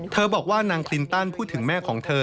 บอกว่านางคลินตันพูดถึงแม่ของเธอ